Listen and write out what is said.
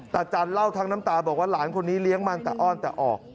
จันเล่าทั้งน้ำตาบอกว่าหลานคนนี้เลี้ยงมันแต่อ้อนแต่ออก